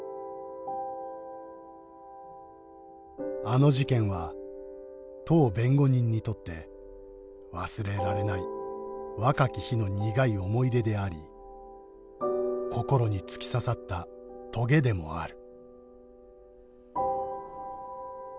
「あの事件は当弁護人にとって『忘れられない若き日の苦い思い出』であり『心に突き刺さった棘』でもある」。